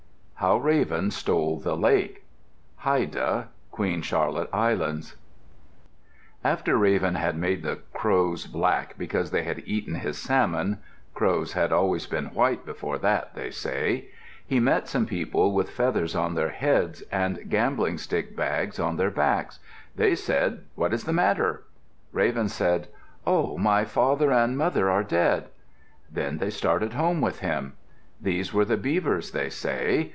HOW RAVEN STOLE THE LAKE Haida (Queen Charlotte Islands) After Raven had made the crows black because they had eaten his salmon crows had always been white before that, they say he met some people with feathers on their heads and gambling stick bags on their backs. They said, "What is the matter?" Raven said, "Oh, my father and mother are dead." Then they started home with him. These were the Beavers, they say.